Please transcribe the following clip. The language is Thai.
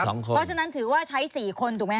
เพราะฉะนั้นถือว่าใช้๔คนถูกไหมค